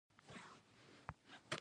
جگر د زهرجن موادو پاکولو لپاره کار کوي.